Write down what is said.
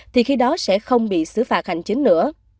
thì khi đó sẽ không bị xử phạt hành chính nữa